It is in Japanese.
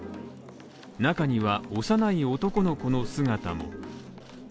中には、幼い男の子の姿も。